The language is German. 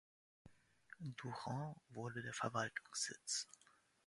Durant wurde der Verwaltungssitz.